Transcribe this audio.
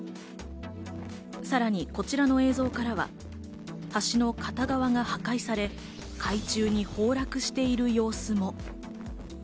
さらにこちらの映像からは橋の片側が破壊され、海中に崩落している様子も。